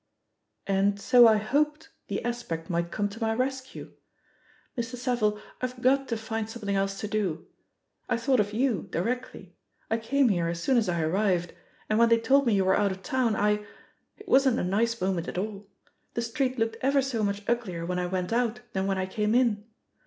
^' "And so I hoped The Aspect might come to my rescue. Mr. Savile, I've got to find some thing else to dol I thought of you directly; I came here as soon as I arrived, and when they told me you were out of town, I — ^it wasn't a nice moment at all. The street looked ever so much uglier when I went out than when I came in.